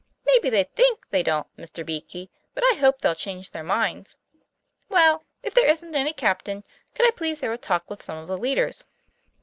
" Maybe they think they don't, Mr. Beakey; but I hope they'll change their minds. Well, if there isn't any captain, couldn't I please have a talk with some of the leaders?"